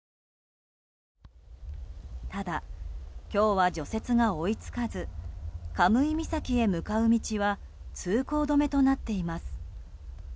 ただ、今日は除雪が追い付かず神威岬へ向かう道は通行止めとなっています。